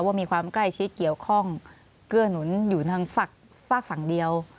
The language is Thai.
ว่ามีความใกล้ชิดเกี่ยวข้องเกื้อหนุนอยู่ทางฝากฝั่งเดียว